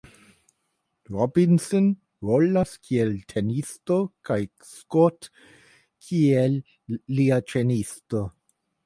Robinson rolas kiel tenisisto kaj Scott kiel lia trejnisto.